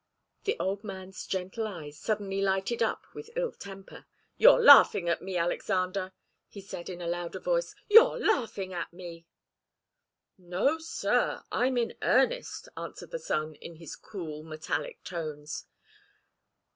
The old man's gentle eyes suddenly lighted up with ill temper. "You're laughing at me, Alexander," he said, in a louder voice. "You're laughing at me!" "No, sir; I'm in earnest," answered the son, in his cool, metallic tones.